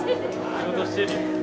仕事してるよ。